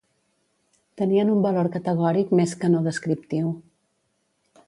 Tenien un valor categòric més que no descriptiu.